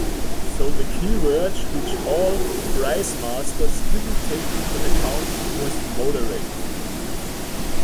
So, the keyword which all fries-masters didn’t take into account was - moderate.